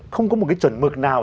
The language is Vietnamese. không có một cái chuẩn mực nào